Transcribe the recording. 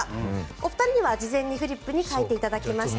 お二人には事前にフリップに書いていただきました。